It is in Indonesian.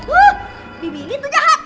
baby ini tuh jahat